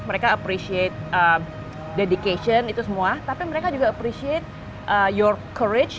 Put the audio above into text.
mereka appreciate dedication itu semua tapi mereka juga appreciate your courage